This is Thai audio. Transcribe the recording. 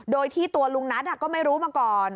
โดยที่ตัวลุงนัทก็ไม่รู้มาก่อน